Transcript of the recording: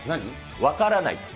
分からないと。